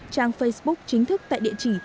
trang facebook chính thức tại địa chỉ